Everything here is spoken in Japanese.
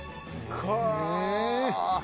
「かあ！」